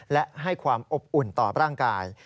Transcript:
และให้ความอบอุ่นต่อร่างกาย